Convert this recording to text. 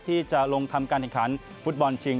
ที่จะลงทำการแข่งขันฟุตบอลชิง